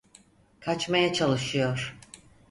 Kaçmaya çalışıyor.